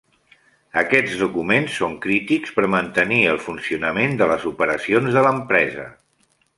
Aquests documents són crítics per mantenir el funcionament de les operacions de l'empresa.